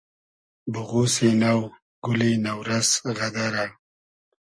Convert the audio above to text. بوغوسی نۆ , گولی نۆ رئس غئدئرۂ